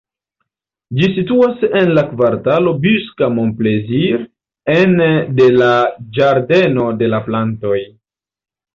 Ĝi situas en la kvartalo Busca-Montplaisir, ene de la Ĝardeno de la Plantoj.